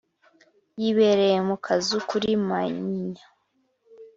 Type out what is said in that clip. yibereye mu kazu kuri manyinya